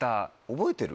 覚えてる？